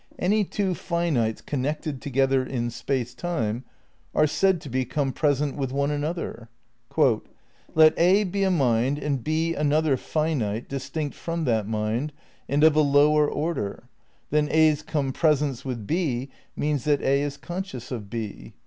Any two finites connected together in Space Time are said to be compresent with one another. "Let A be a mind and B another finite distinct from that mind and of a lower order. Then A's compresence with B means that A is conscious of B.